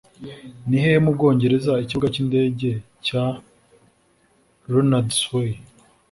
Nihehe mu Bwongereza Ikibuga cy'indege cya Ronaldsway?